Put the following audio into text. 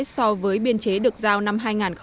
so với biên chế được giao năm hai nghìn một mươi bảy